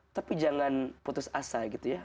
tapi jangan putus asa gitu ya